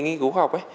nghiên cứu khoa học ấy